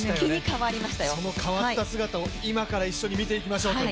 その変わった姿を今から一緒に見ていきましょうという。